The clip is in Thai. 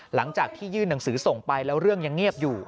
หลังจากที่ยื่นหนังสือส่งไปแล้วเรื่องยังเงียบอยู่